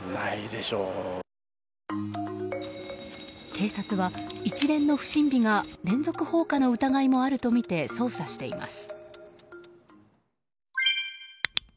警察は一連の不審火が連続放火の疑いもあるとみて捜査しています。